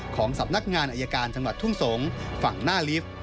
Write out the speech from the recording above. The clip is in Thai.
ของสำนักงานอายการจังหวัดทุ่งสงศ์ฝั่งหน้าลิฟต์